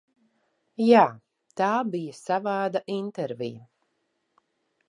Jā, tā bija savāda intervija.